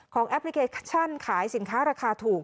แอปพลิเคชันขายสินค้าราคาถูก